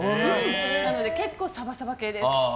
なので結構サバサバ系です。